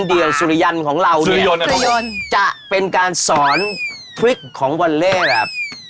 สิ่งเดี่ยวสุริยันต์ของเราเนี่ยจะเป็นการสอนทริกของวันเล่แบบ